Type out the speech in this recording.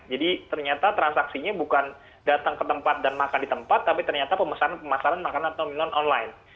jadi ternyata transaksinya bukan datang ke tempat dan makan di tempat tapi ternyata pemasaran makanan atau minuman online